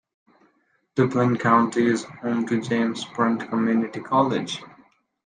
Duplin County is home to James Sprunt Community College.